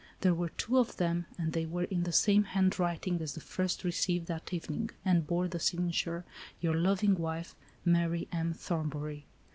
There were two of them, and they were in the same handwriting as the first received that evening, and bore the signature, "Your loving wife, Mary M. Thornbury."